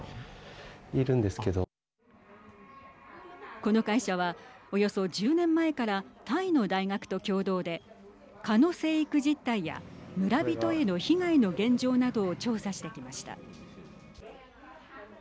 この会社はおよそ１０年前からタイの大学と協働で蚊の生育実態や村人への被害の現状などを調査してきました。